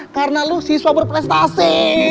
karena lu siswa berprestasi